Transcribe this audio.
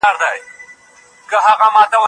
تر ارزیابۍ وروسته د لیکني برابرول پیلیږي.